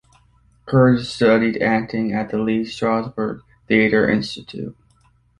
Curtis studied acting at the Lee Strasberg Theatre Institute.